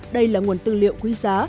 đây là nguồn tư liệu quý giá